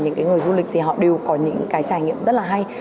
những cái người du lịch thì họ đều có những cái trải nghiệm rất là hay